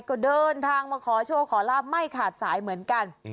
ก็เดินทางมาขอโชคขอลาบไม่ขาดสายเหมือนกัน